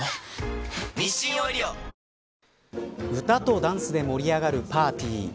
歌とダンスで盛り上がるパーティー。